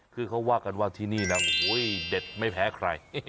คือเขาว่ากันว่าที่นี่นะโอ้โหเด็ดไม่แพ้ใคร